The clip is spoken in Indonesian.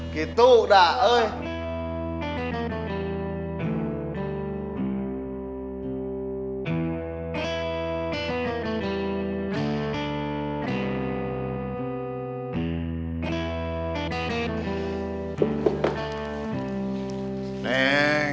cinta dengan pak senden